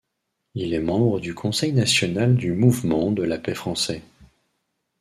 Il est membre du conseil national du Mouvement de la paix français.